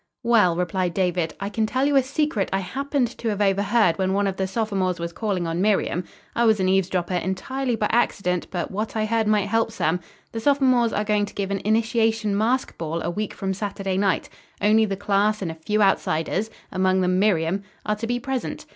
"Well," replied David, "I can tell you a secret I happened to have overheard when one of the sophomores was calling on Miriam. I was an eavesdropper entirely by accident, but what I heard might help some. The sophomores are going to give an initiation mask ball a week from Saturday night. Only the class and a few outsiders, among them Miriam, are to be present.